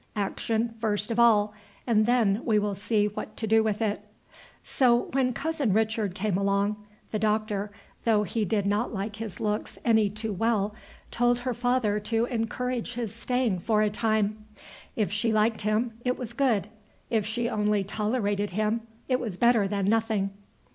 Action first of all, and then we will see what to do with it." So, when Cousin Richard came along, the Doctor, though he did not like his looks any too well, told her father to encourage his staying for a time. If she liked him, it was good; if she only tolerated him, it was better than nothing.